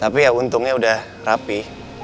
tapi ya untungnya udah rapi